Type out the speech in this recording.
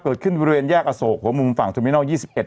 เกิดขึ้นในบริเวณแยกอโศกของมุมฝั่งทมินัล๒๑